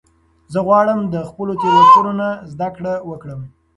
زه غواړم د خپلو تیروتنو نه زده کړه وکړم.